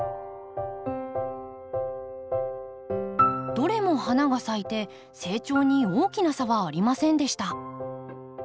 どれも花が咲いて成長に大きな差はありませんでした。